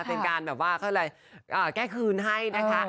เป็นการแบบว่าเขาอะไรแก้คืนให้นะคะ